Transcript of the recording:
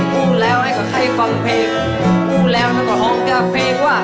รู้แล้วต้องของกาแฟว่า